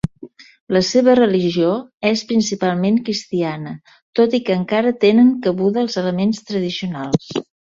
La seva religió és principalment cristiana, tot i que encara tenen cabuda els elements tradicionals.